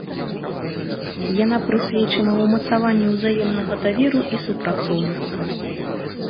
Яна прысвечана ўмацаванню ўзаемнага даверу і супрацоўніцтва.